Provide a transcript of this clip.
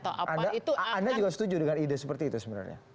anda juga setuju dengan ide seperti itu sebenarnya